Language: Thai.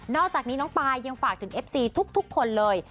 อกจากนี้น้องปายยังฝากถึงเอฟซีทุกคนเลย